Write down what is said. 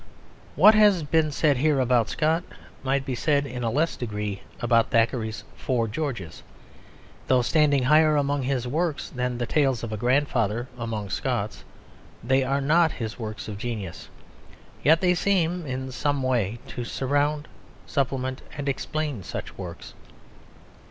What has been said here about Scott might be said in a less degree about Thackeray's Four Georges. Though standing higher among his works than The Tales of a Grandfather among Scott's they are not his works of genius; yet they seem in some way to surround, supplement, and explain such works.